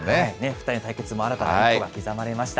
２人の対決も新たなが刻まれました。